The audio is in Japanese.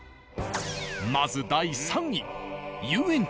まず第３位。